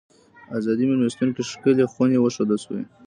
ازادۍ مېلمستون کې ښکلې خونې وښودل شوې.